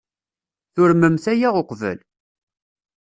Turmemt aya uqbel?